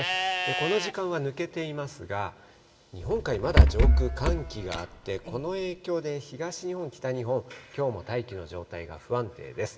この時間は抜けていますが、日本海、まだ上空、寒気があって、この影響で東日本、北日本、きょうも大気の状態が不安定です。